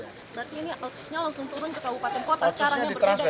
berarti ini otsusnya langsung turun ke kabupaten kota